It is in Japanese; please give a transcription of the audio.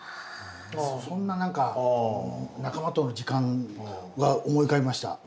そんな何か仲間との時間は思い浮かびました。